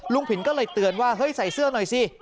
ผินก็เลยเตือนว่าเฮ้ยใส่เสื้อหน่อยสิ